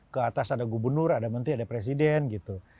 ke atas ada gubernur ada menteri ada presiden gitu